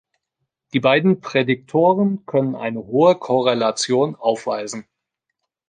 Die beiden Prädiktoren können eine hohe Korrelation aufweisen.